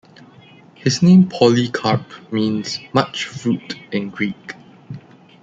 His name 'Polycarp' means 'much fruit' in Greek.